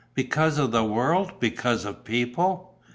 "Because of the world? Because of people?"